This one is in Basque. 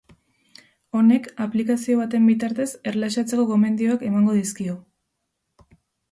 Honek, aplikazio baten bitartez erlaxatzeko gomendioak emango dizkio.